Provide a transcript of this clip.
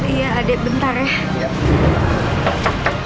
iya adek bentar ya